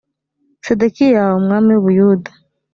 sedekiya umwami w u buyuda